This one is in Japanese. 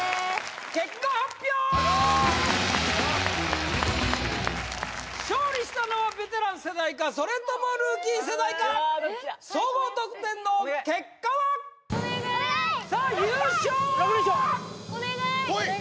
結果発表勝利したのはベテラン世代かそれともルーキー世代か総合得点の結果はお願いさあ優勝は・お願い！